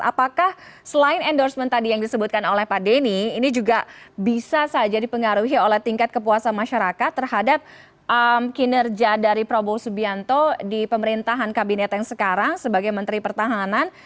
apakah selain endorsement tadi yang disebutkan oleh pak denny ini juga bisa saja dipengaruhi oleh tingkat kepuasan masyarakat terhadap kinerja dari prabowo subianto di pemerintahan kabinet yang sekarang sebagai menteri pertahanan